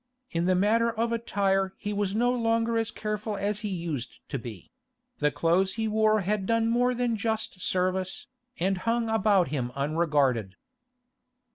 In the matter of attire he was no longer as careful as he used to be; the clothes he wore had done more than just service, and hung about him unregarded.